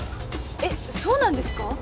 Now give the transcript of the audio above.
えっそうなんですか？